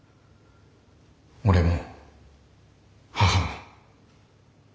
俺も母も。